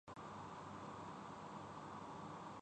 ہمانگ